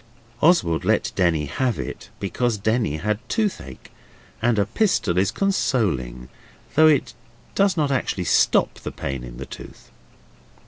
Oswald let Denny have it, because Denny had toothache, and a pistol is consoling though it does not actually stop the pain of the tooth.